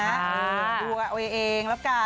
ดูเอาเองแล้วกัน